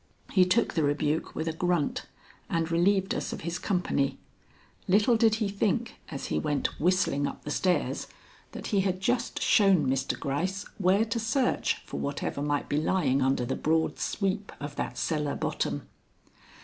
He took the rebuke with a grunt and relieved us of his company. Little did he think as he went whistling up the stairs that he had just shown Mr. Gryce where to search for whatever might be lying under the broad sweep of that cellar bottom.